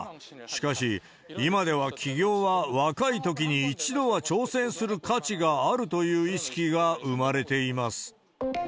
しかし、今では起業は若いときに一度は挑戦する価値があるという意識が生まれています。